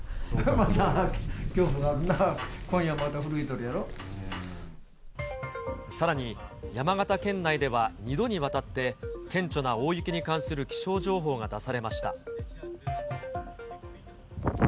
また恐怖があるな、さらに、山形県内では２度にわたって顕著な大雪に関する気象情報が出されました。